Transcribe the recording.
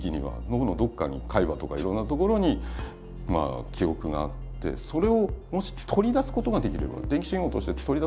脳のどっかに海馬とかいろんな所に記憶があってそれをもし取り出すことができれば物質ですからねここね。